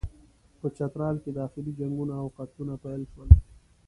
په چترال کې داخلي جنګونه او قتلونه پیل شول.